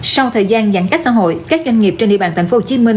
sau thời gian giãn cách xã hội các doanh nghiệp trên địa bàn tp hcm